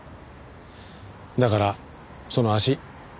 だからその足。